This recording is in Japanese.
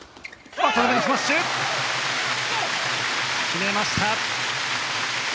決めました。